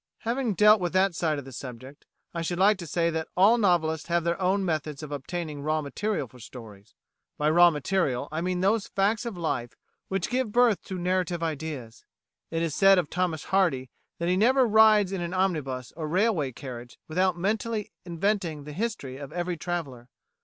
Having dealt with that side of the subject, I should like to say that all novelists have their own methods of obtaining raw material for stories. By raw material I mean those facts of life which give birth to narrative ideas. It is said of Thomas Hardy that he never rides in an omnibus or railway carriage without mentally inventing the history of every traveller.